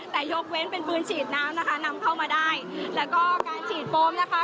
แต่ยกเว้นเป็นปืนฉีดน้ำนะคะนำเข้ามาได้แล้วก็การฉีดโฟมนะคะ